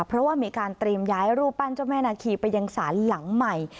เพราะว่ามีการเตรียมย้ายรูปปั้นเจ้าแม่นาคีไปยังศาลหลังใหม่